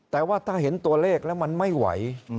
แต่ว่าถ้าเห็นตัวเลขแล้วมันไม่ไหว